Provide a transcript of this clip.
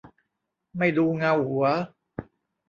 ไม่ดูเงาหัว